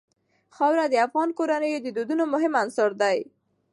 خاوره د افغان کورنیو د دودونو مهم عنصر دی.